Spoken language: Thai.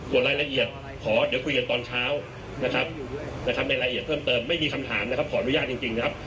ส่วนรายละเอียดขอเดี๋ยวคุยกันตอนเช้านะครับในรายละเอียดเพิ่มเติมไม่มีคำถามนะครับขออนุญาตจริงครับ